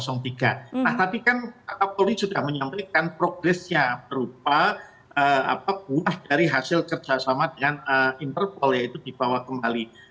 nah tadi kan pak kapolri sudah menyampaikan progresnya berupa buah dari hasil kerjasama dengan interpol yaitu dibawa kembali